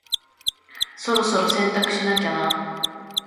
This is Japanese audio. そろそろ洗濯しなきゃな。